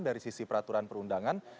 dari sisi peraturan perundangan